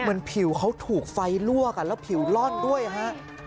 เหมือนผิวเขาถูกไฟลวกแล้วผิวล่อนด้วยฮะ